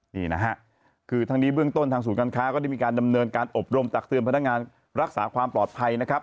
นี่นะฮะคือทั้งนี้เบื้องต้นทางศูนย์การค้าก็ได้มีการดำเนินการอบรมตักเตือนพนักงานรักษาความปลอดภัยนะครับ